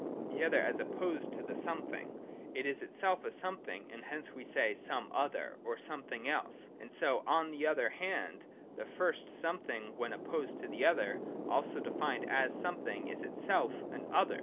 The other, as opposed to the something, is itself a something, and hence we say some other, or something else ; and so on the other hand the first something when opposed to the other, also defined as something, is itself an other.